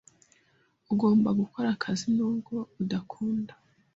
Ugomba gukora akazi nubwo udakunda.